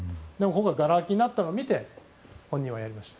がら空きになったのを見てやりました。